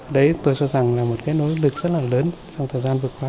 đấy tôi cho rằng là một cái nỗ lực rất là lớn trong thời gian vừa qua